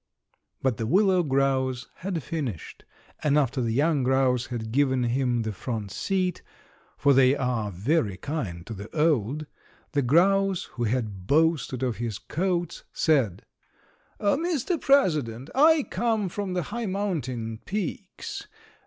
But the willow grouse had finished, and after the young grouse had given him the front seat, for they are very kind to the old, the grouse who had boasted of his coats said: "Mr. President, I come from the high mountain peaks.